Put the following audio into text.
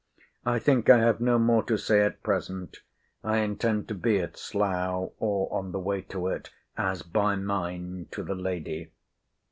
I think I have no more to say at present. I intend to be at Slough, or on the way to it, as by mine to the lady.